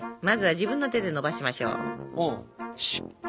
まずは自分の手でのばしましょう。